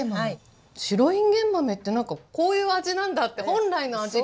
白いんげん豆ってこういう味なんだって本来の味が。